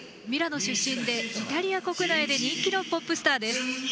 ミラノ出身でイタリア国内で人気のポップスターです。